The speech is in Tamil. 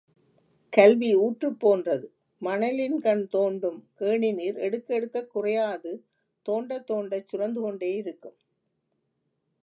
கல்வி ஊற்றுப் போன்றது மணலின்கண் தோண்டும் கேணிநீர் எடுக்க எடுக்கக் குறையாது தோண்டத் தோண்டச் சுரந்துகொண்டே இருக்கும்.